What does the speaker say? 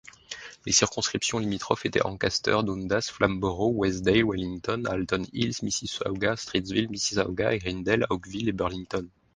Les circonscriptions limitrophes étaient Ancaster—Dundas—Flamborough—Westdale, Wellington—Halton Hills, Mississauga—Streetsville, Mississauga—Erindale, Oakville et Burlington.